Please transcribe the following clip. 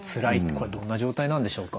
これどんな状態なんでしょうか？